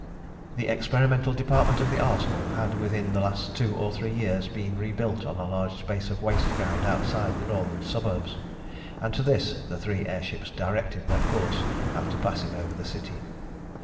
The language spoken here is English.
The experimental department of the Arsenal had within the last two or three years been rebuilt on a large space of waste ground outside the northern suburbs, and to this the three air ships directed their course after passing over the city.